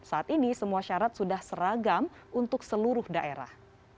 saat ini semua syarat sudah seragam untuk seluruh daerah